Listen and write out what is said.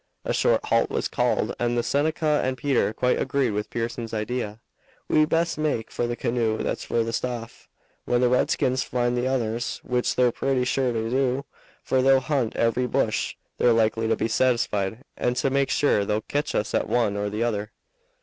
A short halt was called, and the Seneca and Peter quite agreed with Pearson's idea. "We'd best make for the canoe that's furthest off. When the redskins find the others, which they're pretty sure to do, for they'll hunt every bush, they're likely to be satisfied and to make sure they'll ketch us at one or the other."